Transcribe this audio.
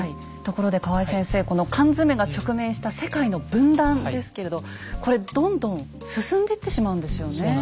ところで河合先生この缶詰が直面した世界の分断ですけれどこれどんどん進んでいってしまうんですよね？